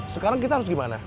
sekarang kita harus gimana